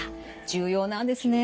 重要なんですね。